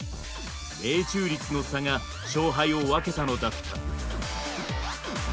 命中率の差が勝敗を分けたのだった。